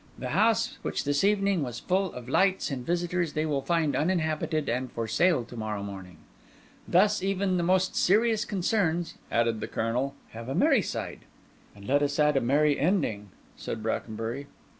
The house which this evening was full of lights and visitors they will find uninhabited and for sale to morrow morning. Thus even the most serious concerns," added the Colonel, "have a merry side." "And let us add a merry ending," said Brackenbury.